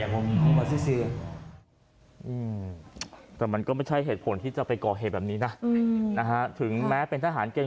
ผมเขาไปเองผมดีเขาก็อยู่นั่นแหละกว่า